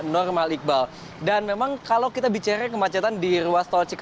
selamanya ini akan mendatangi